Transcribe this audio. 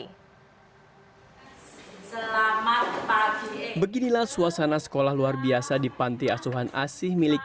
selamat beginilah suasana sekolah luar biasa di panti asuhan asih milik